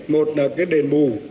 một là cái đền bù